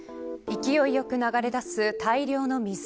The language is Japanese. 勢いよく流れ出す大量の水。